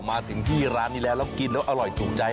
มาถึงที่ร้านนี้แล้วแล้วกินแล้วอร่อยถูกใจ